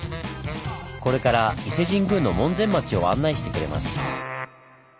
これから伊勢神宮の門前町を案内してくれます。